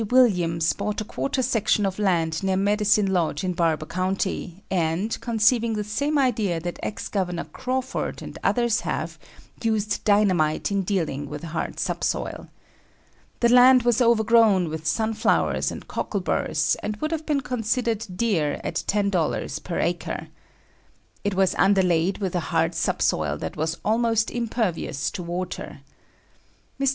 Williams bought a quarter section of land near Medicine Lodge in Barber County, and, conceiving the same idea that Ex Governor Crawford and others have, used dynamite in dealing with a hard subsoil. The land was overgrown with sunflowers and cockleburs and would have been considered dear at $10 per acre. It was underlaid with a hard subsoil that was almost impervious to water. Mr.